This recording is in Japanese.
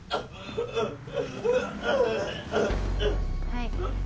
はい。